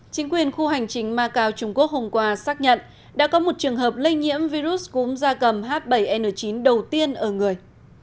chính quyền khu hành trình macau trung quốc hôm qua xác nhận đã có một trường hợp lây nhiễm virus cúm da cầm h bảy n chín đầu tiên ở người